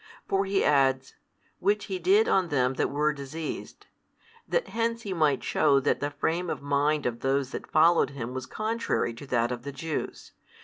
For he adds, Which He did on them that were diseased, that hence he might shew that the frame of mind of those that followed Him was contrary to that of the Jews.